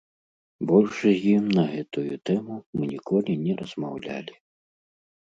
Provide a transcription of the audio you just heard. Больш з ім на гэтую тэму мы ніколі не размаўлялі.